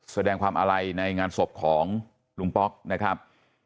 แสดงความอาลัยในงานศพของลุงป๊อกนะครับ